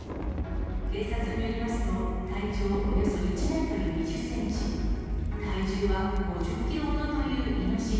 警察によりますと、体長およそ１メートル２０センチ、体重は５０キロほどというイノシシ。